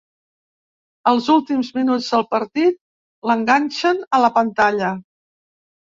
Els últims minuts del partit l'enganxen a la pantalla.